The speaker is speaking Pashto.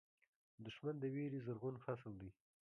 دښمن د وېرې زرغون فصل دی